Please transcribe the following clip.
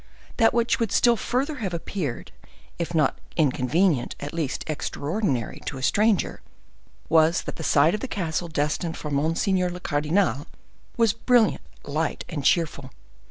That which would still further have appeared, if not inconvenient, at least extraordinary, to a stranger, was, that the side of the castle destined for monsieur le cardinal was brilliant, light and cheerful.